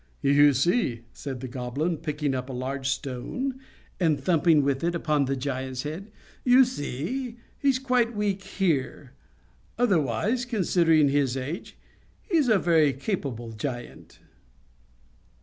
"You see," said the Goblin, picking up a large stone and thumping with it upon the giant's head, "you see, he's quite weak here; otherwise, considering his age, he's a very capable giant."